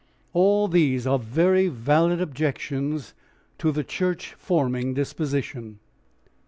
All these are very valid objections to the church forming disposition.